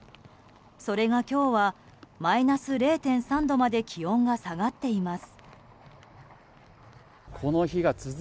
それが今日はマイナス０．３度まで気温が下がっています。